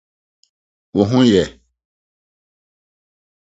Wo ho yɛ?